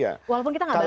walaupun kita gak bales ya